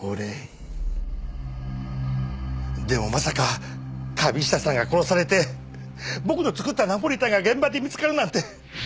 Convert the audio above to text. でもまさか神下さんが殺されて僕の作ったナポリタンが現場で見つかるなんて。